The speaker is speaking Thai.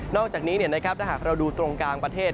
อกจากนี้ถ้าหากเราดูตรงกลางประเทศ